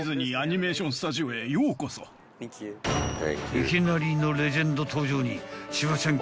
［いきなりのレジェンド登場に千葉ちゃん］